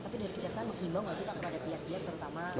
tapi dari kejaksaan menggilang gak sih pada pihak pihak terutama